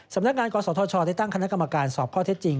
สำนักงานกศธชได้ตั้งคณะกรรมการสอบข้อเท็จจริง